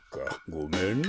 ごめんな。